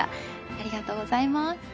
ありがとうございます。